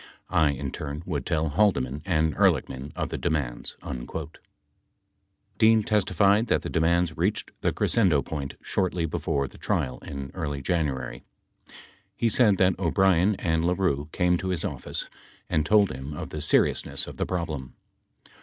I, in turn, would tell Haldeman and Ehrlichman of the demands." 8 Dean testified that the demands reached the crescendo point shortly before the trial in early January. He said that O'Brien and LaRue came to his office and told him of the seriousness of the problem.